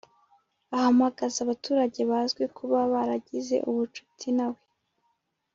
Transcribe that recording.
ahamagaza abaturage bazwi kuba baragize ubucuti nawe